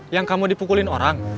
yang kamu dipukulin orang